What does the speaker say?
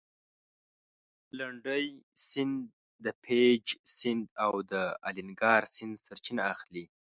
لنډی سیند د پېج سیند او د الینګار سیند سرچینه اخلي.